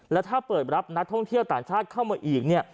และถ้าเปิดรับนักท่องเที่ยวต่างชาติเข้ามาอีกเนี่ย